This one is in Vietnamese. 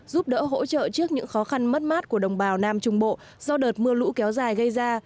giúp đỡ hỗ trợ trước những khó khăn mất mát của đồng bào nam trung bộ do đợt mưa lũ kéo dài gây ra